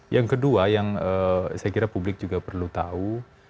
yang kedua yang saya kira publik juga perlu tahu